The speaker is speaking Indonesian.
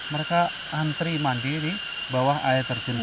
mereka antri mandi di bawah air terjun